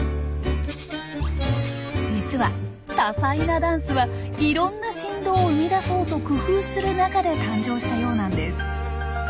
実は多彩なダンスはいろんな振動を生み出そうと工夫する中で誕生したようなんです。